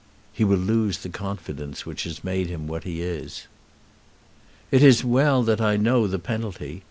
"He will lose the confidence which has made him what he is." "It is well that I know the penalty.